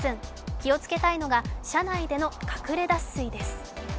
気をつけたいのが車内でのかくれ脱水です。